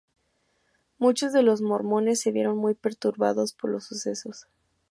Muchos de los mormones se vieron muy perturbados por los sucesos.